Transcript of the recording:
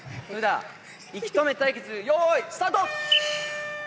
息止め対決よーいスタート！